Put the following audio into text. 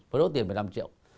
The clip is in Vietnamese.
phải đưa tiền một mươi năm triệu